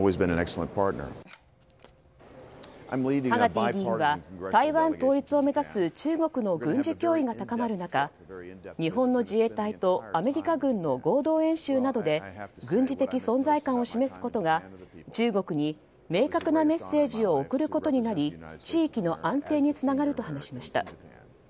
ハガティ議員は台湾統一を目指す中国の軍事脅威が高まる中日本の自衛隊とアメリカ軍の合同演習などで軍事的存在感を示すことが中国へ明確なメッセージを送ることになり地域の安定につながると話しました。